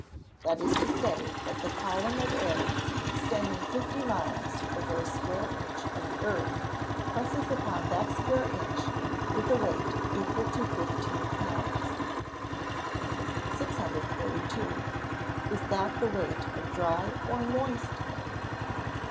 That is to say, that the column of air, extending fifty miles over a square inch of the earth, presses upon that square inch with a weight equal to fifteen pounds. 642. _Is that the weight of dry or moist air?